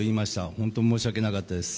本当に申し訳なかったです。